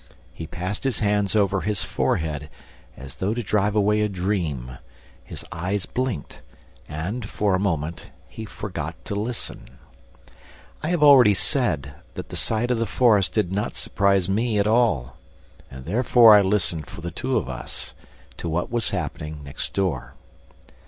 He passed his hands over his forehead, as though to drive away a dream; his eyes blinked; and, for a moment, he forgot to listen. I have already said that the sight of the forest did not surprise me at all; and therefore I listened for the two of us to what was happening next door.